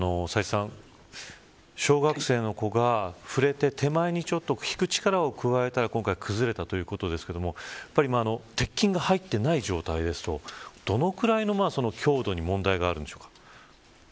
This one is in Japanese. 小学生の子が触れて手前に引く力を加えたら崩れたということですが鉄筋が入っていない状態ですとどのくらいの強度に問題があるのでしょうか。